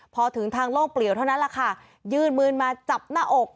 พอถึงทางโล่งเปลี่ยวเท่านั้นแหละค่ะยื่นมือมาจับหน้าอก